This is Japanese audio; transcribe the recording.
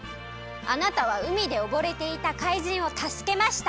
あなたはうみでおぼれていたかいじんをたすけました。